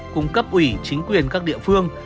cung cấp ủy chính quyền các địa phương